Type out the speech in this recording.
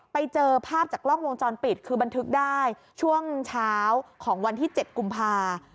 ไปเจอภาพจากกล้องวงจรปิดคือบันทึกได้ช่วงเช้าของวันที่๗กุมภา